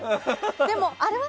でも、あれは？